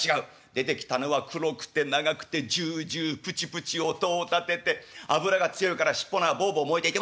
出てきたのは黒くて長くてジュージュープチプチ音を立てて脂が強いから尻尾の方はボーボー燃えていて。